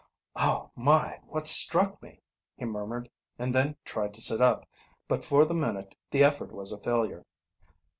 "Oh my! what struck me?" he murmured, and then tried to sit up, but for the minute the effort was a failure.